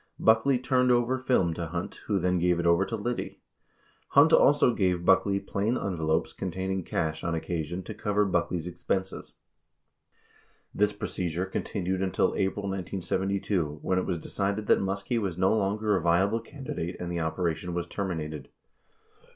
Buckley turned over film to Hunt, who then gave it over to Liddy. Hunt also gave Buckley plain envelopes containing cash on occasion to cover Buckley's expenses. This procedure continued until April 1972, when it was decided that Muskie was no longer a viable can didate and the operation was terminated.